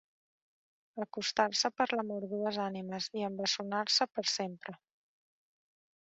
Acostar-se per l'amor dues ànimes i embessonar-se per sempre.